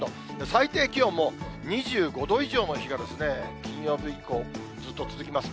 最低気温も２５度以上の日が金曜日以降、ずっと続きます。